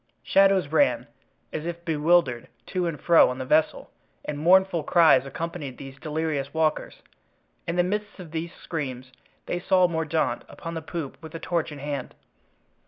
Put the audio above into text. Shadows ran, as if bewildered, to and fro on the vessel, and mournful cries accompanied these delirious walkers. In the midst of these screams they saw Mordaunt upon the poop with a torch in hand.